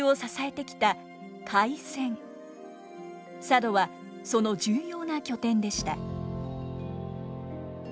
佐渡はその重要な拠点でした。